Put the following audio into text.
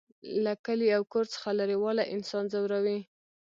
له کلي او کور څخه لرېوالی انسان ځوروي